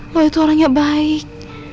lo itu orang yang baik